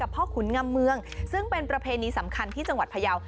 ซึ่งเป็นประเพณีสำคัญที่จังหวัดพยาว